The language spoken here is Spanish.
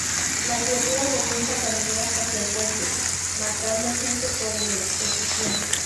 La criatura comienza a caminar hacia el puente, matando gente por electrocución.